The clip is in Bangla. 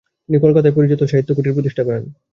তিনি কলকাতায় ‘‘পারিজাত সাহিত্য কুটির’’ প্রতিষ্ঠা করেন।